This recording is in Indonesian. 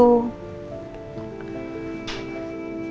memori memori yang